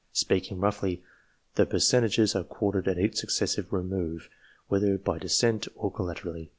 Speaking roughly, the percentages are quartered at each successive remove, whether by descent or collaterally.